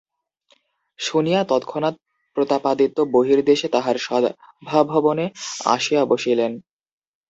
শুনিয়া তৎক্ষণাৎ প্রতাপাদিত্য বহির্দেশে তাঁহার সভাভবনে আসিয়া বসিলেন।